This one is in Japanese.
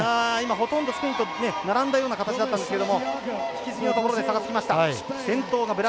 ほとんどスペインと並んだような形だったんですが引き継ぎのところで差がつきました。